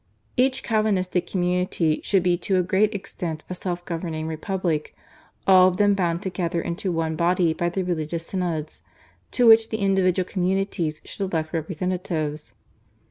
Each Calvinistic community should be to a great extent a self governing republic, all of them bound together into one body by the religious synods, to which the individual communities should elect representatives.